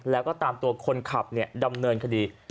แล้วก็ตามตัวคนขับดำเนินคดี